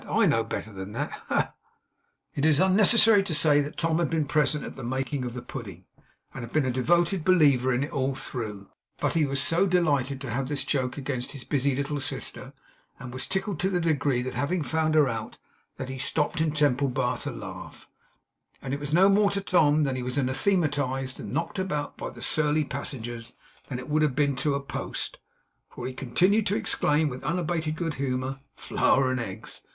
I know better than that! Ha, ha, ha!' It is unnecessary to say that Tom had been present at the making of the pudding, and had been a devoted believer in it all through. But he was so delighted to have this joke against his busy little sister and was tickled to that degree at having found her out, that he stopped in Temple Bar to laugh; and it was no more to Tom, that he was anathematized and knocked about by the surly passengers, than it would have been to a post; for he continued to exclaim with unabated good humour, 'flour and eggs!